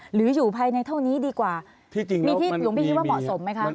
หรืออยู่ภายในเท่านี้ดีกว่ามีที่หลวงพี่คิดว่าเหมาะสมไหมคะ